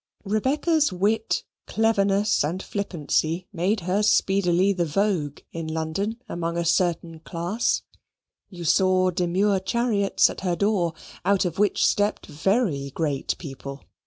Rebecca's wit, cleverness, and flippancy made her speedily the vogue in London among a certain class. You saw demure chariots at her door, out of which stepped very great people.